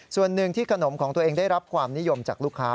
ส่วนหนึ่งที่ขนมของตัวเองได้รับความนิยมจากลูกค้า